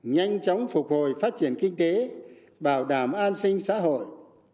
nhanh chóng phục hồi phát triển kinh tế bảo đảm an sinh xã hội